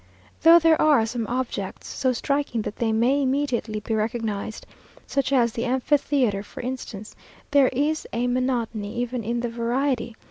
Though there are some objects so striking that they may immediately be recognised, such as the amphitheatre for instance, there is a monotony even in the variety!